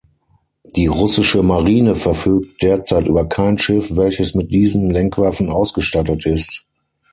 Die russische Marine verfügt derzeit über kein Schiff, welches mit diesen Lenkwaffen ausgestattet ist.